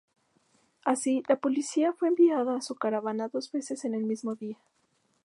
Así, la policía fue enviada a su caravana dos veces en el mismo día.